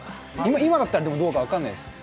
今だったら、どうか分かんないです